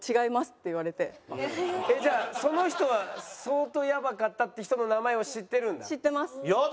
えっじゃあその人は相当やばかったって人の名前を知ってるんだ？